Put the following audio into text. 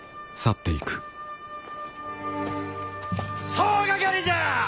総掛かりじゃあ！